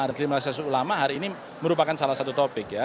dan kriminalisasi ulama hari ini merupakan salah satu topik ya